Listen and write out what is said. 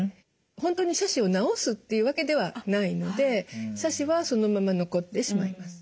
本当に斜視を治すっていうわけではないので斜視はそのまま残ってしまいます。